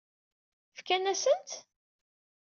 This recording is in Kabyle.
Fkan-asen-tt?